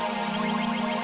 masih lu nunggu